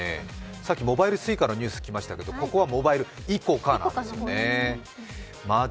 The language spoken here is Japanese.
さっきモバイルＳｕｉｃａのニュースがありましたけどここはモバイルＩＣＯＣＡですね。